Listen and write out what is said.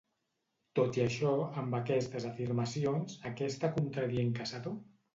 Tot i això, amb aquestes afirmacions, a què està contradient Casado?